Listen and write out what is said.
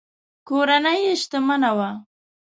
کورنۍ یې شتمنه وه.